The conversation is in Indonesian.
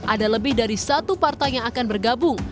ada lebih dari satu partai yang akan bergabung